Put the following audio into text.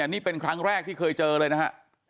นี่เป็นครั้งแรกที่เคยเจอเลยนะฮะ